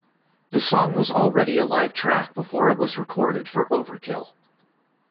The song was already a live track before it was recorded for "Overkill".